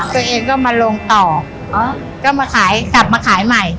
ตัวเองก็มาลงต่อกลับมาขายใหม่